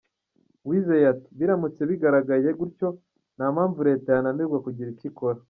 Uwizeye ati “Biramutse bigaragaye gutyo, nta mpamvu Leta yananirwa kugira icyo ikora.